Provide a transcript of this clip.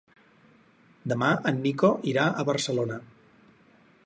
Demà en Nico irà a Barcelona.